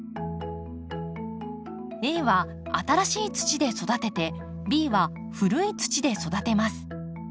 Ａは新しい土で育ててＢは古い土で育てます。